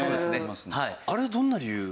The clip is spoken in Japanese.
あれどんな理由？